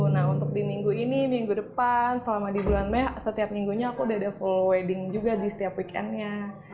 nah untuk di minggu ini minggu depan selama di bulan mei setiap minggunya aku udah ada full wedding juga di setiap weekendnya